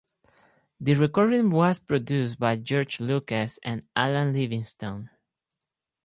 The recording was produced by George Lucas and Alan Livingston.